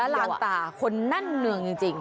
และล้านตาคนนั่นเมืองจริง